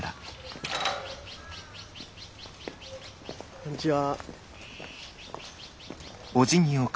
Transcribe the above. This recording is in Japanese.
こんにちは。